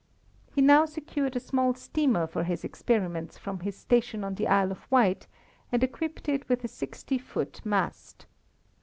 He now secured a small steamer for his experiments from his station on the Isle of Wight and equipped it with a sixty foot mast.